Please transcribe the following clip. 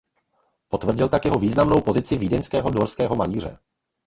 Potvrdil tak jeho významnou pozici vídeňského dvorského malíře.